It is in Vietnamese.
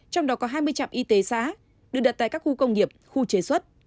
trong đó có hai mươi trạm y tế xã được đặt tại các khu công nghiệp khu chế xuất